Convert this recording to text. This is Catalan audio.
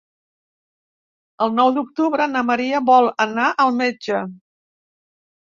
El nou d'octubre na Maria vol anar al metge.